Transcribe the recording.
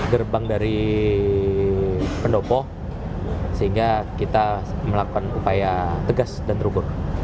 gerbang dari pendopo sehingga kita melakukan upaya tegas dan terukur